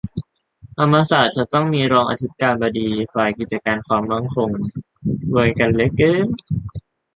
ธรรมศาสตร์จะต้องมี "รองอธิการบดีฝ่ายกิจการความมั่นคง" อวยกันเหลือเกิ๊น